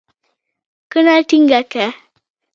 کونه ټينګه کړه.